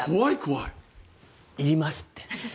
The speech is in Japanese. いや、いりますって。